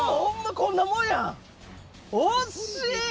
こんなもんやん惜しい！